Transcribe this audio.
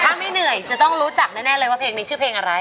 ถ้าไม่เหนื่อยจะต้องรู้จักแน่เลยว่าเพลงนี้ชื่อเพลงอะไร